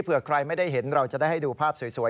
ใครไม่ได้เห็นเราจะได้ให้ดูภาพสวย